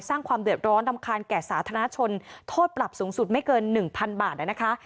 สร้างความเดือดร้อนรำคาญแก่สาธารณชนโทษปรับสูงสุดไม่เกิน๑๐๐๐บาทนะคะ